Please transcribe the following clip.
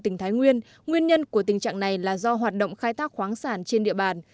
tỉnh thái nguyên nguyên nhân của tình trạng này là do hoạt động khai thác khoáng sản trên địa bàn